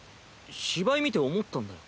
芝居見て思ったんだよ。